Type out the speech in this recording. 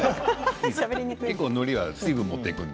結構、のりは水分を持っていくので。